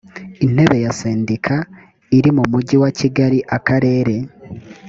intebe ya sendika iri mu mujyi wa kigali akarere